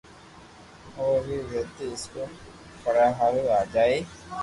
اووي ٻيئي اسڪول پپڙيا ھارين جائي